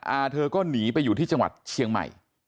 อาเธอก็หนีไปอยู่ที่จังหวัดเชียงใหม่